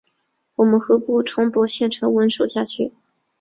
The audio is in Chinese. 我们何不重夺县城稳守下去？